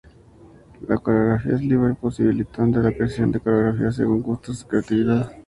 La coreografía es libre, posibilitando la creación de coreografías según gustos y creatividad.